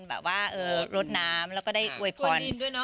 แบบว่ารดน้ำแล้วก็ได้โหวิปรณ์